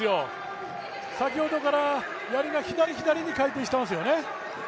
先ほどからやりが左、左に回転してますよね。